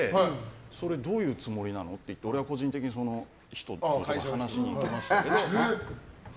１回持ち帰ってどういうつもりなのって俺が個人的にその人と話に行きましたけど。